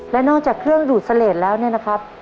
และนอกจากเครื่องดูดเสลดแล้วเนี่ยนะครับ